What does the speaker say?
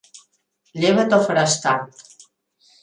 Lleva't o faràs tard.